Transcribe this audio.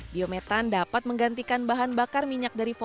biometan dapat menggantikan bahan bakar minyak dari follo